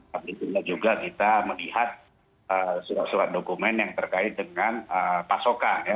tapi juga kita melihat surat surat dokumen yang terkait dengan pasokan ya